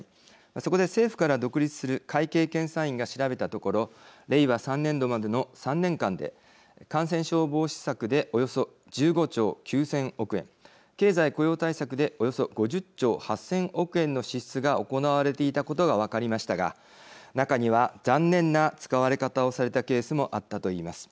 そこで政府から独立する会計検査院が調べたところ令和３年度までの３年間で感染症防止策でおよそ１５兆９０００億円経済雇用対策でおよそ５０兆８０００億円の支出が行われていたことが分かりましたが中には残念な使われ方をされたケースもあったと言います。